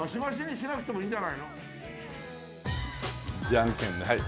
じゃんけんねはい。